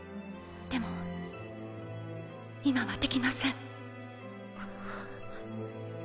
でも今はできません。